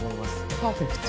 パーフェクト！